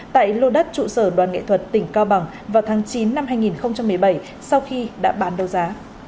tại lô đất trụ sở đoàn nghệ thuật tỉnh cao bằng vào tháng chín năm hai nghìn một mươi bảy sau khi đã bán đấu giá